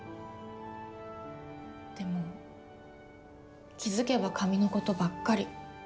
でも気付けば紙のことばっかり。